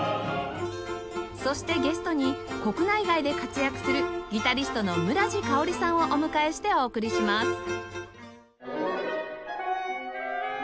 そしてゲストに国内外で活躍するギタリストの村治佳織さんをお迎えしてお送りします